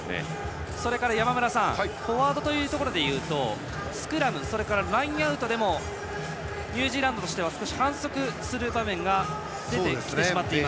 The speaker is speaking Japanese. それから、山村さんフォワードでいうとスクラム、ラインアウトでもニュージーランドとしては少し反則する場面が出てきてしまっています。